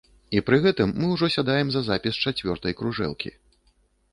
І пры гэтым мы ўжо сядаем за запіс чацвёртай кружэлкі.